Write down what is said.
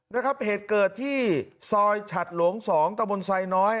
นะครับเหตุเกิดที่ซอยฉัดหลวง๒ตะบนไซน้อย